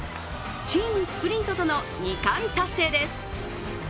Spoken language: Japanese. チームスプリントとの２冠達成です。